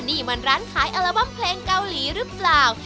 นี่มันร้านขายอัลบั้มเพลงเกาหลีหรือเปล่า